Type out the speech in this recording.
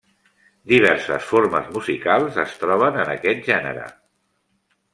Diverses formes musicals es troben en aquest gènere.